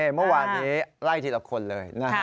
เมื่อวานนี้ไล่ทีละคนเลย